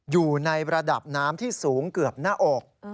อยู่ในระดับน้ำที่สูงเกือบหน้าอก